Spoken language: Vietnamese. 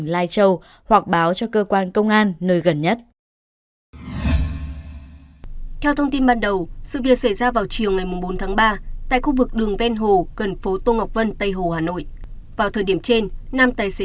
vào thời điểm trên năm tài xế taxi điều khiển đối tượng gây án